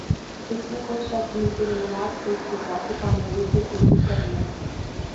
اس میں کوئی شک نہیں کہ یہ نواز شریف کی سیاسی کامیابی کے عروج کا زمانہ ہے۔